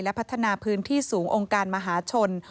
และพัฒนาพื้นที่สูงองค์การมหาชน